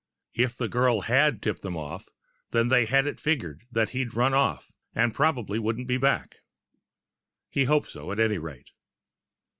If the girl had tipped them off, then they had it figured out that he had run off, and probably wouldn't be back. He hoped so, at any rate.